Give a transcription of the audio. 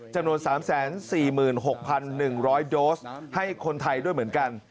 จำนวน๓๔๖๑๐๐โดสให้คนไทยด้วยเหมือนกัน